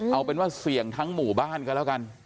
เอาเป็นว่าเสี่ยงทั้งหมู่บ้านกันแล้วกัน